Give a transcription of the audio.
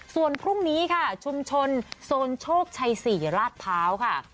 ส่วนพรุ่งนี้ค่ะชุมชนโซนโชคชัย๔ราชพร้าวค่ะ